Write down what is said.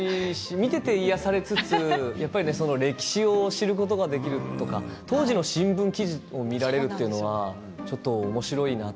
見ていて癒やされつつやっぱり歴史を知ることができる当時の新聞記事を見ることができるというのはおもしろいなと。